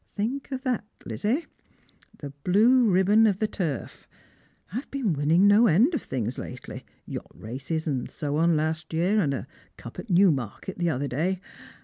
Think of that, Lizzie — the blue ribbon of the turf. I've been winning no end of things lately; yacht races and so on last year, and a cup at Newmarket the other day.